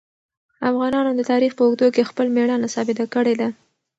افغانانو د تاریخ په اوږدو کې خپل مېړانه ثابته کړې ده.